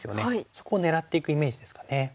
そこを狙っていくイメージですかね。